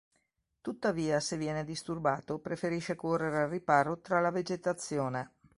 Tuttavia, se viene disturbato, preferisce correre al riparo tra la vegetazione.